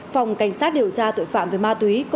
phòng cảnh sát điều tra tội phạm về ma túy